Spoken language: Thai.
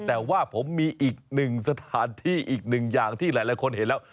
แต่ว่าผมมีอีกหนึ่งสถานที่อีกหนึ่งอย่างที่หลายคนเห็นแล้ว